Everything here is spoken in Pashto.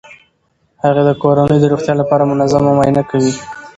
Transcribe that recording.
هغې د کورنۍ د روغتیا لپاره منظمه معاینه کوي.